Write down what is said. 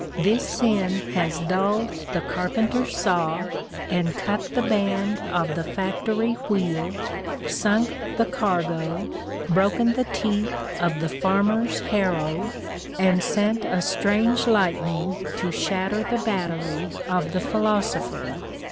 This sin has dulled the carpenter's saw, and cut the band of the factory wheel, sunk the cargo, broken the teeth of the farmer's harrow, and sent a strange lightning to shatter the battery of the philosopher.